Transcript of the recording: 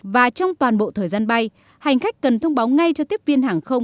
và trong toàn bộ thời gian bay hành khách cần thông báo ngay cho tiếp viên hàng không